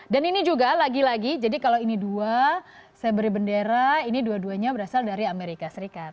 dan ini juga lagi lagi jadi kalo ini dua saya beri bendera ini dua duanya berasal dari amerika serikat